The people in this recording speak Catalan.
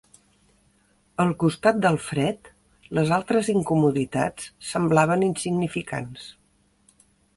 Al costat del fred, les altres incomoditats semblaven insignificants.